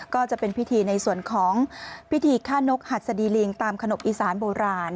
ก็จะเป็นพิธีในส่วนของพิธีฆ่านกหัดสดีลิงตามขนบอีสานโบราณ